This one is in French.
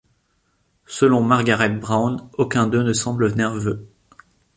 Selon Margaret Brown, aucun d'eux ne semble nerveux.